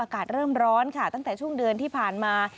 อากาศเริ่มร้อนค่ะตั้งแต่ช่วงเดือนที่ผ่านมา